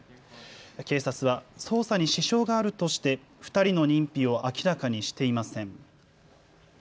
警察は捜査に支障があるとして２人の認否を明らかにしていません。